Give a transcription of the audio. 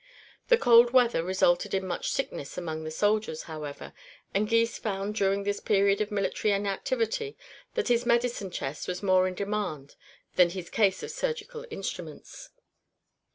The cold weather resulted in much sickness among the soldiers, however, and Gys found during this period of military inactivity that his medicine chest was more in demand than his case of surgical instruments.